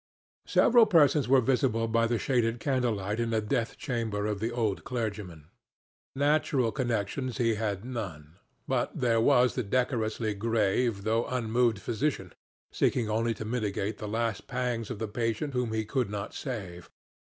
Several persons were visible by the shaded candlelight in the death chamber of the old clergyman. Natural connections he had none. But there was the decorously grave though unmoved physician, seeking only to mitigate the last pangs of the patient whom he could not save.